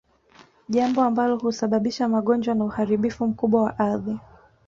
Jambo ambalo husababisha magonjwa na uharibifu mkubwa wa ardhi